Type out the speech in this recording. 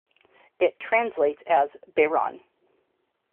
It translates as "Beiran".